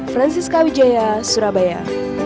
francis kawijaya surabaya